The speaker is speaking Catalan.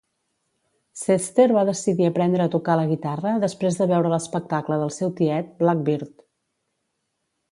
Cester va decidir aprendre a tocar la guitarra després de veure l"espectable del seu tiet "Blackbird".